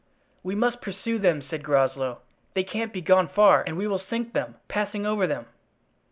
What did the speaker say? "We must pursue them," said Groslow, "they can't be gone far, and we will sink them, passing over them."